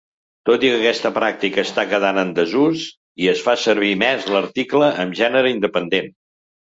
Tot i que aquesta pràctica està quedant en desús i es fa servir més l'article amb gènere independent.